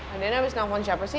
aduh ini abis nelfon siapa sih